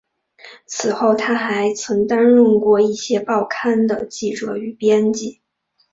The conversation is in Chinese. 此后他还曾担任过一些报刊的记者与编辑。